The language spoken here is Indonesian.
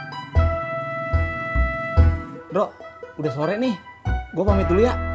dok udah sore nih gue pamit dulu ya